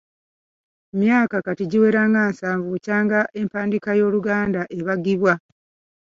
Emyaka kati giwera nga nsanvu bukyanga empandiika y’Oluganda ebagibwa.